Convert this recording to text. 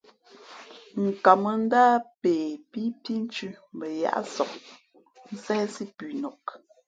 Nkamα̌ ndáh pe pí phínthʉ̄ mbα yáʼsap nséhsí pʉnok.